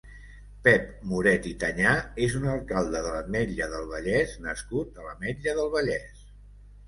Pep Moret i Tanyà és un alcalde de l'Ametlla del Vallès nascut a l'Ametlla del Vallès.